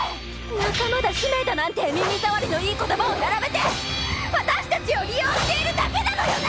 仲間だ使命だなんて耳障りのいい言葉を並べて私たちを利用しているだけなのよね